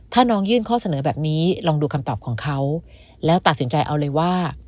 ถ้าน้องยื่นข้อเสนอแบบนี้ลองดูคำตอบของเขาแล้วตัดสินใจเอาเลยว่า